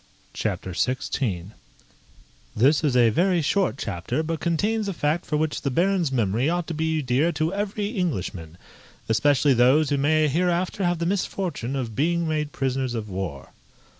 CHAPTER XVI _This is a very short chapter, but contains a fact for which the Baron's memory ought to be dear to every Englishman, especially those who may hereafter have the misfortune of being made prisoners of war.